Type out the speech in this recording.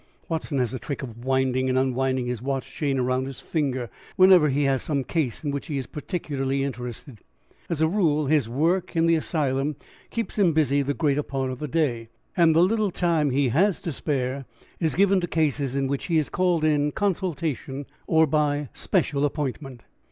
Watson has a trick of winding and unwinding his watch chain around his finger whenever he has some case in which he is particularly interested. As a rule, his work in the asylum keeps him busy the greater part of the day, and the little time he has to spare is given to cases in which he is called in consultation or by special appointment.